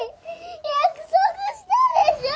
約束したでしょ！